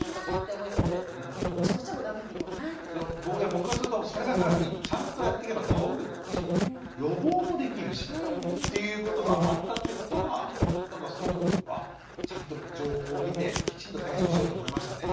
僕からするとそれが更にちゃんとやっていけば治るし予防もできるしっていうことがあったってことがなんかすごくあちゃんと情報を見てきちんと対処しようと思いましたね。